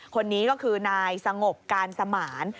คนนี้ก็คือนายสงบการสมาน